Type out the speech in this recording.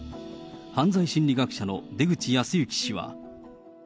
犯罪心理学者の出口保行氏は。